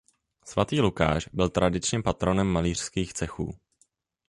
Svatý Lukáš byl tradičně patronem malířských cechů.